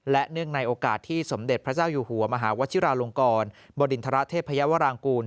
และเนื่องในโอกาสที่สมเด็จพระเจ้าอยู่หัวมหาวชิราลงกรบริณฑระเทพยาวรางกูล